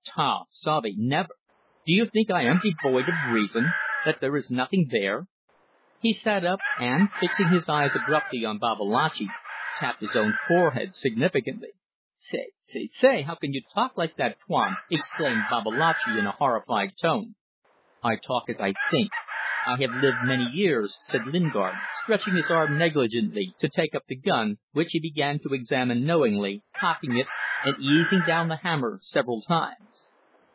Tau! Savee! Never! Do you think I am devoid of reason? That there is nothing there?" He sat up, and, fixing abruptly his eyes on Babalatchi, tapped his own forehead significantly. "Tse! Tse! Tse! How can you talk like that, Tuan!" exclaimed Babalatchi, in a horrified tone. "I talk as I think. I have lived many years," said Lingard, stretching his arm negligently to take up the gun, which he began to examine knowingly, cocking it, and easing down the hammer several times.